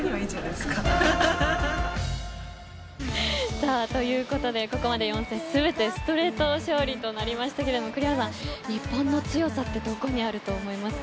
さあ、ということでここまで４戦全てストレート勝利となりましたけれども、栗原さん日本の強さってどこにあると思いますか。